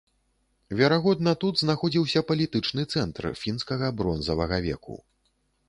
Верагодна, тут знаходзіўся палітычны цэнтр фінскага бронзавага веку.